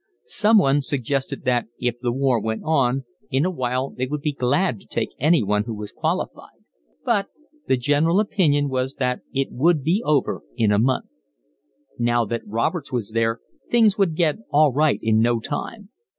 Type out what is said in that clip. Someone suggested that, if the war went on, in a while they would be glad to take anyone who was qualified; but the general opinion was that it would be over in a month. Now that Roberts was there things would get all right in no time.